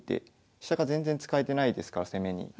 飛車が全然使えてないですから攻めに。